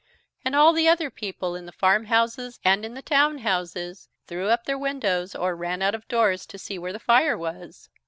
And all the other people, in the farmhouses and in the town houses, threw up their windows or ran out of doors to see where the fire was.